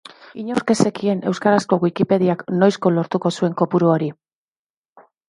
Inork ez zekien euskarazko Wikipediak noizko lortuko zuen kopuru hori.